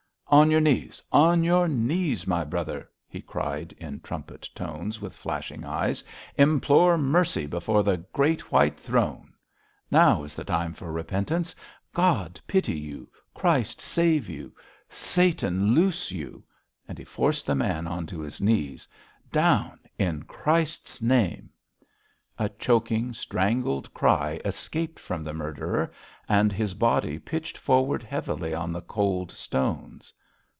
'On your knees! on your knees, my brother,' he cried in trumpet tones, with flashing eyes, 'implore mercy before the Great White Throne. Now is the time for repentance. God pity you! Christ save you! Satan loose you!' And he forced the man on to his knees. 'Down in Christ's name.' A choking, strangled cry escaped from the murderer, and his body pitched forward heavily on the cold stones.